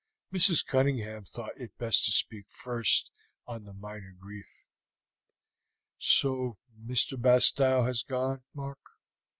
Mrs. Cunningham thought it best to speak first on the minor grief. "So Mr. Bastow has gone, Mark?"